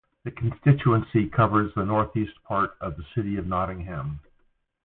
The constituency covers the north-eastern part of the City of Nottingham.